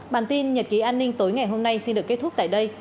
bản tin nhật ký an ninh tối ngày hôm nay xin được kết thúc tại đây